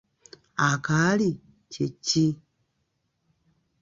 Akaali kye ki ?